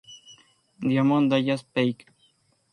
Diamond Dallas Page